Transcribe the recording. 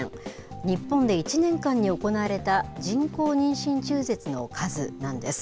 日本で１年間に行われた人工妊娠中絶の数なんです。